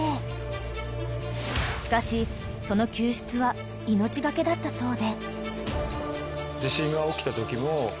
［しかしその救出は命懸けだったそうで］